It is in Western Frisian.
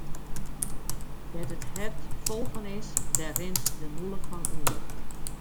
Dêr't it hert fol fan is, dêr rint de mûle fan oer.